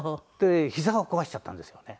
ひざを壊しちゃったんですよね。